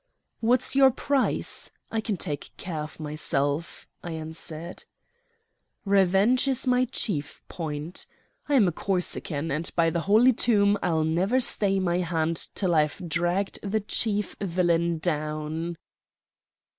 "What's your price? I can take care of myself," I answered. "Revenge is my chief point. I am a Corsican; and, by the Holy Tomb! I'll never stay my hand till I've dragged the chief villain down."